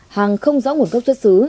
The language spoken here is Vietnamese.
hàng không rõ nguồn cấp xuất xứ